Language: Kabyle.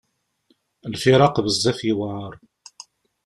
Lfiraq bezzaf yewɛer.